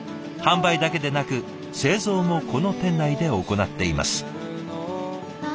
販売だけでなく製造もこの店内で行っています。